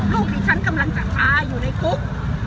ลูกดิฉันกำลังจะตายอยู่ในคุก